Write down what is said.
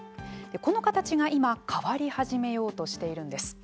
この形が今変わり始めようとしているんです。